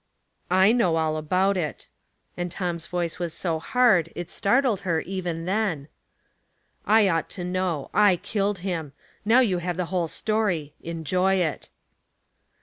" Jknow all about it; " and Tom's voice was so hard it startled her even then. " I ought to know ; I killed him. Now you have the whole story ; enjoy it."